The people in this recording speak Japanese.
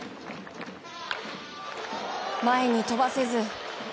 前に飛ばせず。